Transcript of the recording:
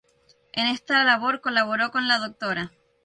En esta labor colaboró la Dra.